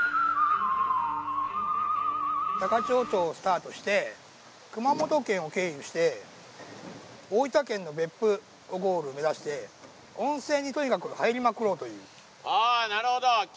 高千穂峡をスタートして熊本県を経由して大分県の別府ゴールを目指して温泉にとにかく入りまくろうという。